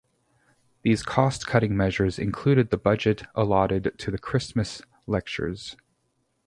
These cost cutting measures included the budget allotted to the Christmas Lectures.